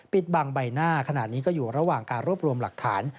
ปิดบังใบหน้าขณะนี้ก็อยู่ระหว่างการรวบรวมหลักฐาน